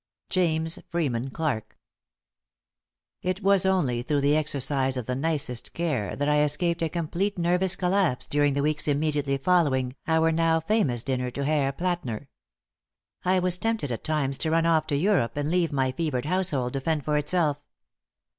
James Freeman Clarke. It was only through the exercise of the nicest care that I escaped a complete nervous collapse during the weeks immediately following our now famous dinner to Herr Plätner. I was tempted at times to run off to Europe and leave my fevered household to fend for itself.